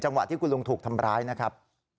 วะที่คุณลุงถูกทำร้ายนะครับ